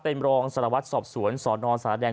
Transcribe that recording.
เป็นรองสละวัดสอบสวนสอนรสารแดง